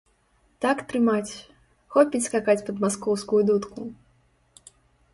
Так трымаць, хопіць скакаць пад маскоўскую дудку!